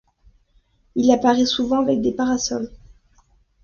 Il apparaît souvent avec des parasols.